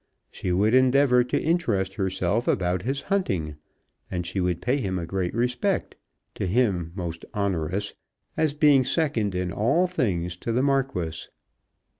She would endeavour to interest herself about his hunting. And she would pay him a great respect, to him most onerous, as being second in all things to the Marquis.